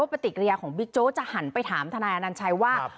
ปฏิกิริยาของบิ๊กโจ๊กจะหันไปถามทนายอนัญชัยว่า